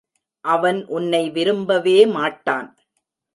அவன் உன்னை விரும்பவே மாட்டான்.